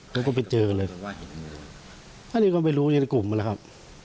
แล้วก็ไปเจอเลยอันนี้ก็ไม่รู้เนี่ยกลุ่มเลยครับ